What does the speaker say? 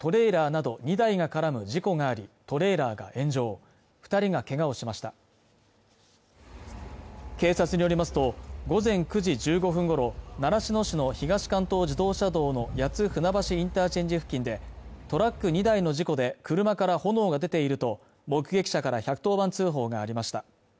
きょう午前千葉県習志野市の東関東自動車道でトレーラーなど２台が絡む事故がありトレーラーが炎上二人がけがをしました警察によりますと午前９時１５分ごろ習志野市の東関東自動車道の谷津船橋インターチェンジ付近でトラック２台の事故で車から炎が出ていると目撃者から１１０番通報がありました